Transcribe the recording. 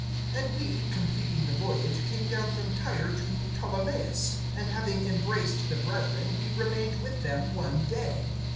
(7)And we, completing the voyage, came down from Tyre to Ptolemais; and having embraced the brethren, we remained with them one day.